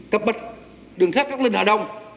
cấp bách đường khác các linh hạ đông